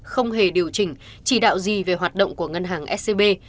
không hề điều chỉnh chỉ đạo gì về hoạt động của ngân hàng scb